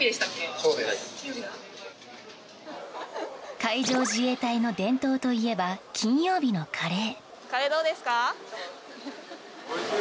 海上自衛隊の伝統といえば金曜日のカレー。